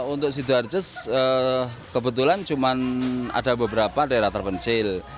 untuk sidoarjo kebetulan cuma ada beberapa daerah terpencil